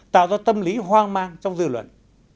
tạo ra tâm lý hoang mang trong dư luận